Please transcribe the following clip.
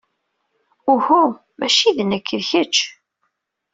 Uhu, maci d nekk, d kečč!